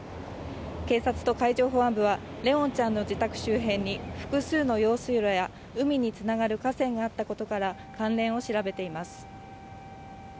警察と海上保安部は、怜音ちゃんの自宅周辺に複数の用水路や海につながる河川があったことから関連を調べています。